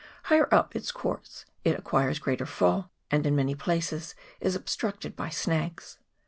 Higher up its course it acquires greater fall, and in many places is obstructed by snags.